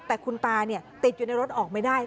แต่คุณตาติดอยู่ในรถออกไม่ได้